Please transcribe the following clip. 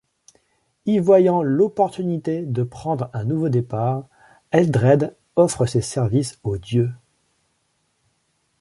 Y voyant l’opportunité de prendre un nouveau départ, Eldred offre ses services aux dieux.